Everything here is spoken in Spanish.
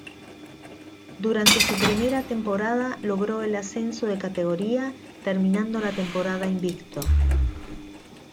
Durante su primera temporada, logró el ascenso de categoría, terminando la temporada invicto.